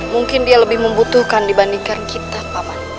mungkin dia lebih membutuhkan dibandingkan kita paman